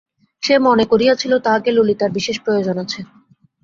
সে মনে করিয়াছিল তাহাকে ললিতার বিশেষ প্রয়োজন আছে।